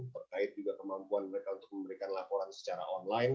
terkait juga kemampuan mereka untuk memberikan laporan secara online